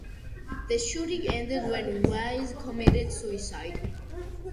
The shooting ended when Weise committed suicide.